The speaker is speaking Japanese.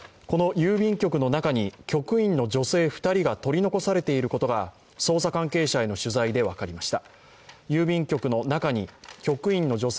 郵便局の中に、局員の女性２人が取り残されているのが捜査関係者への取材で分かりました。